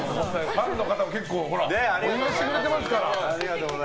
ファンの方もお祝いしてくれていますから。